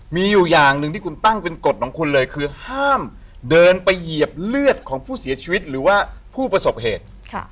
มีอยู่อย่างหนึ่งที่คุณตั้งเป็นกฎของคุณเลยคือห้ามเดินไปเหยียบเลือดของผู้เสียชีวิตหรือว่าผู้ประสบเหตุ